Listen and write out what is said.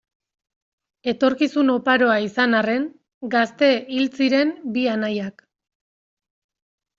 Etorkizun oparoa izan arren, gazte hil ziren bi anaiak.